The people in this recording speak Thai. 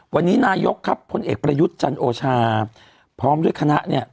วันนี้นายกครับพลเอกประยุทธ์จันโอชาพร้อมด้วยคณะเนี่ย